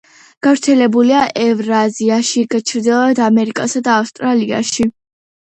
გავრცელებულია ევრაზიაში, ჩრდილოეთ ამერიკასა და ავსტრალიაში.